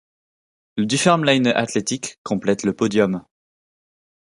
Le Dunfermline Athletic complète le podium.